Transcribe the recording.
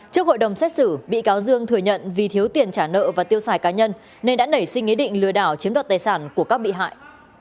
trước hội đồng xét xử bị cáo dương thừa nhận vì thiếu tiền trả nợ và tiêu xài cá nhân nên đã nảy sinh ý định lừa đảo chiếm đoạt tài sản của các bị hại